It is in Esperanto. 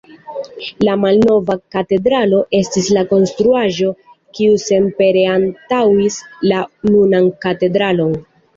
La "malnova katedralo" estis la konstruaĵo, kiu senpere antaŭis la nunan katedralon.